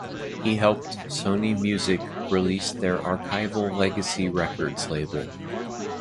He helped Sony Music release their archival Legacy Records label.